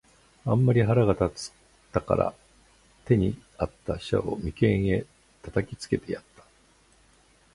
あんまり腹が立つたから、手に在つた飛車を眉間へ擲きつけてやつた。